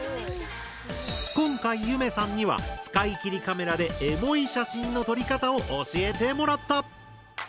今回ゆめさんには使い切りカメラでエモい写真の撮り方を教えてもらった！